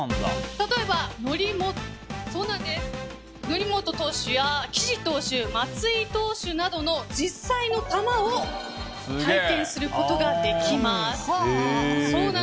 例えば則本投手や岸投手松井投手などの実際の球を体験することができます。